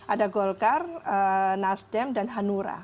ada golkar nasdem dan hanura